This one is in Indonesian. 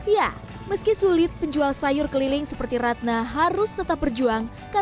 ya meski sulit penjual sayur keliling seperti ratna harus tetap berjuang